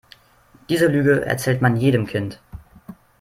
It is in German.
Diese Lüge erzählt man jedem Kind.